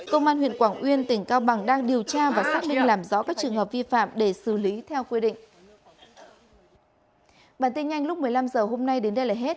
công an huyện quảng uyên tỉnh cao bằng đang điều tra và xác minh làm rõ các trường hợp vi phạm để xử lý theo quy định